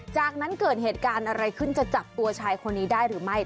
จากนั้นเกิดเหตุการณ์อะไรขึ้นจะจับตัวชายคนนี้ได้หรือไม่